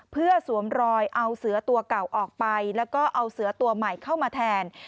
เพื่อสวมรอยเอาเสือตัวเก่าออกไปแล้วก็เอาเสือตัวใหม่เข้ามาแทน